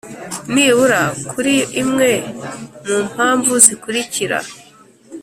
Nibura kuri imwe mu mpamvu zikurikira